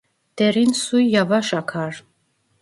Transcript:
Derin su yavaş akar.